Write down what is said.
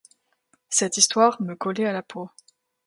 Cette histoire me collait à la peau.